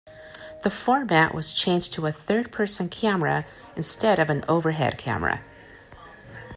The format was changed to a third-person camera instead of an overhead camera.